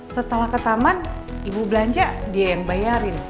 setelah ke taman ibu belanja dia yang bayarin